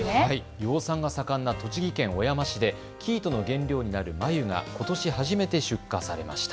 養蚕が盛んな栃木県小山市で生糸の原料になる繭がことし初めて出荷されました。